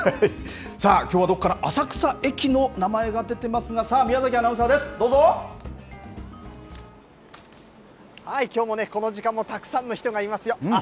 さあ、きょうはどうかな浅草駅の名前が出ていますがはい、きょうもねこの時間もたくさんの人がいますよ。